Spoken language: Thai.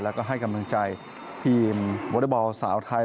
แล้วก็ให้กำลังใจทีมวอเตอร์บอลสาวไทย